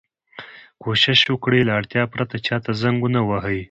کوشش وکړئ! له اړتیا پرته چا ته زنګ و نه وهئ.